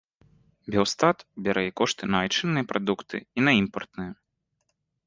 Белстат бярэ і кошты на айчынныя прадукты, і на імпартныя.